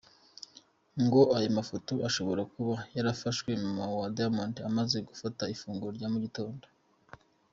Ngo ayo mafoto ashobora kuba yarafashwe mama wa Diamond amaze gufata ifunguro rya mugitondo.